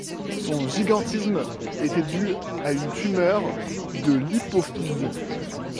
Son gigantisme était dû à une tumeur de l'hypophyse.